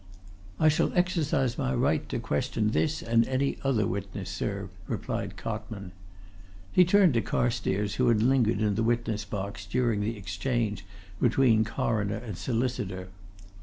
"I shall exercise my right to question this and any other witness, sir," replied Cotman. He turned to Carstairs, who had lingered in the witness box during this exchange between coroner and solicitor.